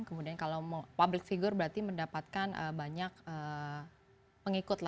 kemudian kalau public figure berarti mendapatkan banyak pengikut